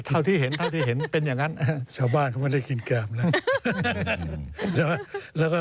เท่าที่เห็นเท่าที่เห็นเป็นอย่างนั้นชาวบ้านเขาไม่ได้กินแกมแล้ว